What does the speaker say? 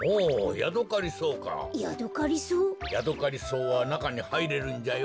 ヤドカリソウはなかにはいれるんじゃよ。